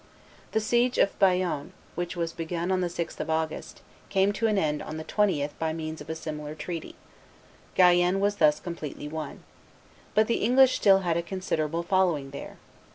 The siege of Bayonne, which was begun on the 6th of August, came to an end on the 20th by means of a similar treaty. Guyenne was thus completely won. But the English still had a considerable following there.